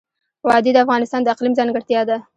وادي د افغانستان د اقلیم ځانګړتیا ده.